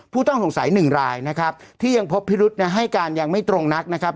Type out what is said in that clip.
ผู้ต้องสงสัยหนึ่งรายนะครับที่ยังพบพิรุษให้การยังไม่ตรงนักนะครับ